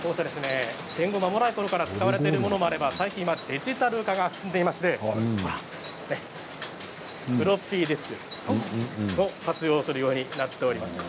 戦後まもないころから使われているものもあれば最近はデジタル化が進んでいましてフロッピーディスクを活用するようになっています。